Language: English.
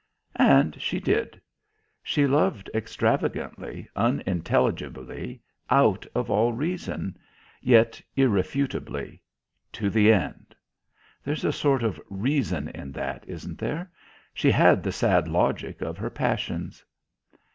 And she did. She loved extravagantly, unintelligibly, out of all reason; yet irrefutably. To the end. There's a sort of reason in that, isn't there? She had the sad logic of her passions.